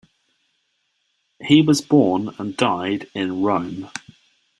He was born and died in Rome.